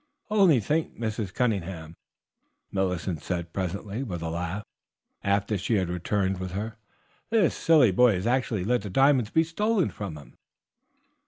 "Only think, Mrs. Cunningham," Millicent said presently, with a laugh, after she had returned with her, "this silly boy has actually let the diamonds be stolen from him."